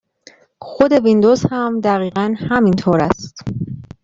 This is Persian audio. خود ویندوز هم دقیقا همنطور است.